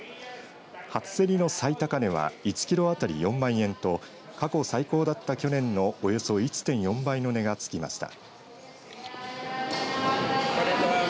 初競りの最高値は１キロあたり４万円と過去最高だった去年のおよそ１．４倍の値がつきました。